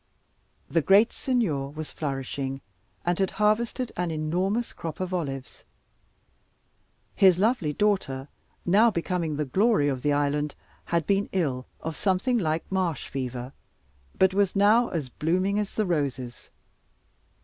The great Signor was flourishing, and had harvested an enormous crop of olives: his lovely daughter, now becoming the glory of the island, had been ill of something like marsh fever, but was now as blooming as the roses.